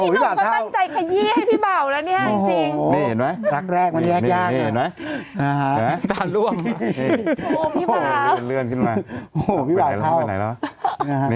พี่หนูก็ตั้งใจขยี้ให้พี่บ่าวแล้วเนี่ยจริงโอ้โฮนี่เห็นไหม